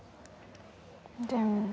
でも。